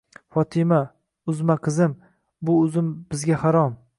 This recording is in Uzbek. Fotima, uzma qizim! Bu uzum bizga harom!